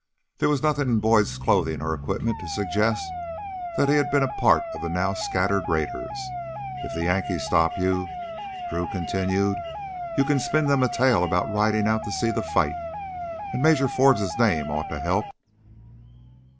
There was nothing in Boyd's clothing or equipment to suggest that he had been a part of the now scattered raiders. "If the Yankees stop you," Drew continued, "you can spin them a tale about riding out to see the fight. And Major Forbes's name ought to help."